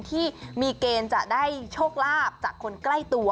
ที่มีเกณฑ์จะได้โชคลาภจากคนใกล้ตัว